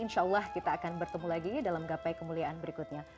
insya allah kita akan bertemu lagi dalam gapai kemuliaan berikutnya